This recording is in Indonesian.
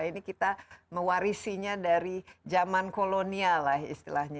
ini kita mewarisinya dari zaman kolonial lah istilahnya